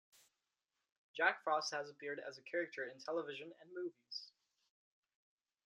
Jack Frost has appeared as a character in television and movies.